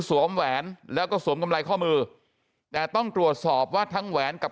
แหวนแล้วก็สวมกำไรข้อมือแต่ต้องตรวจสอบว่าทั้งแหวนกับ